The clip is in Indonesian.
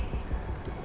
tentara sebodong tante